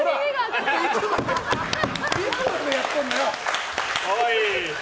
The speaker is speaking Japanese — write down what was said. いつまでやってんのよ！